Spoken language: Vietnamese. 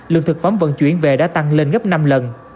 lượng thực phẩm vận chuyển về đã tăng lên gấp năm lần